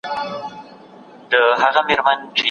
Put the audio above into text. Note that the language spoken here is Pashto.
تاریخ به هیڅکله د ظالمانو نوم په ښه توګه یاد نه کړي.